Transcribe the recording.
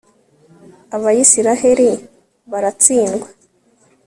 abayisraheli baratsindwa